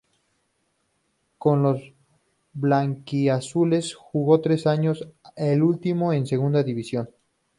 Con los blanquiazules jugó tres años, el último en segunda división.